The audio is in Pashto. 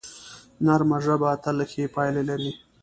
نرمه ژبه تل ښې پایلې لري